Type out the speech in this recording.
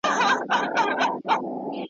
مګر که د پیغام له اړخه ورته وکتل سي ,